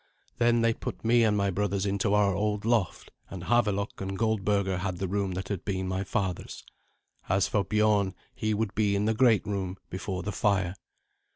Then they put me and my brothers into our old loft, and Havelok and Goldberga had the room that had been my father's. As for Biorn, he would be in the great room, before the fire.